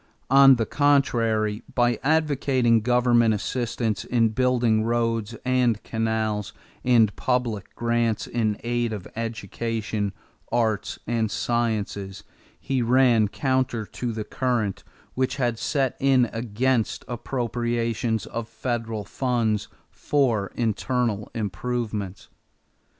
On the contrary, by advocating government assistance in building roads and canals and public grants in aid of education, arts, and sciences, he ran counter to the current which had set in against appropriations of federal funds for internal improvements.